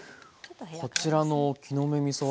こちらの木の芽みそ